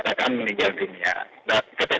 setelah minum air jantan